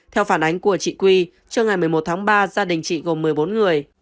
theo phản ánh của chị quy trưa ngày một mươi một tháng ba gia đình chị gồm một mươi bốn người